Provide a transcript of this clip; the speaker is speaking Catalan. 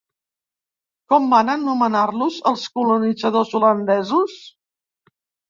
Com van anomenar-lo els colonitzadors holandesos?